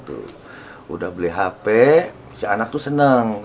udah beli hp si anak itu seneng